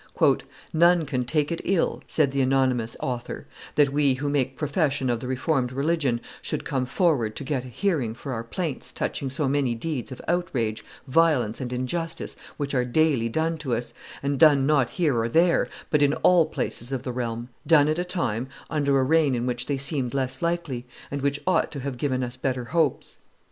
"None can take it ill," said the anonymous author, "that we who make profession of the Reformed religion should come forward to get a hearing for our plaints touching so many deeds of outrage, violence, and injustice which are daily done to us, and done not here or there, but in all places of the realm; done at a time, under a reign in which they seemed less likely, and which ought to have given us better hopes.